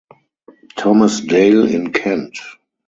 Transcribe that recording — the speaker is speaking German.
Thomas Dale in Kent.